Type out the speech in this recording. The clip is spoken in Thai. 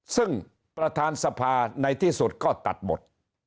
ซึ่งประธานสภาในที่สุดก็ตัดหมด